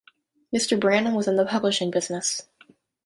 Mr. Branham was in the publishing business.